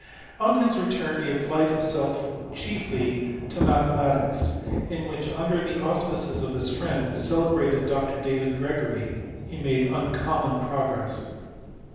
On his return he applied himself chiefly to mathe matics, in which, under the auspices of his friend, the celebrated Dr. David Gregory, he made uncommon Erogress.